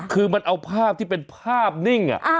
คือมันเอาภาพที่เป็นภาพนิ่ง